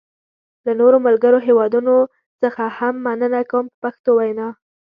له نورو ملګرو هېوادونو څخه هم مننه کوم په پښتو وینا.